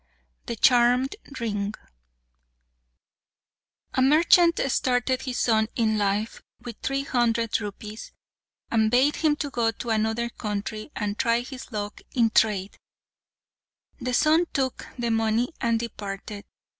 The Charmed Ring A merchant started his son in life with three hundred rupees, and bade him go to another country and try his luck in trade. The son took the money and departed.